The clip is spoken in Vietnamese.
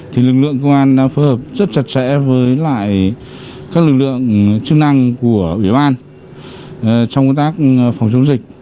thì lực lượng công an đã phù hợp rất chặt chẽ với lại các lực lượng chức năng của ủy ban trong công tác phòng chống dịch